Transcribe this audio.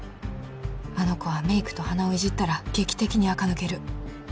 あの子はメイクと鼻をいじったら劇的にあか抜ける。